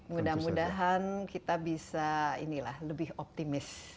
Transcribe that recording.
mudah mudahan kita bisa lebih optimis